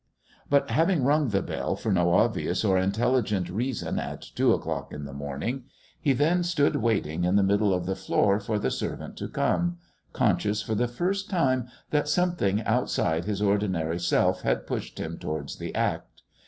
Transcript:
But, having rung the bell for no obvious or intelligent reason at two o'clock in the morning, he then stood waiting in the middle of the floor for the servant to come, conscious for the first time that something outside his ordinary self had pushed him towards the act.